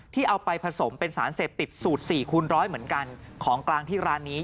ที่เอาไปผสมเป็นสารเสพติดสูตรสี่คูณร้อยเหมือนกันของกลางที่ร้านนี้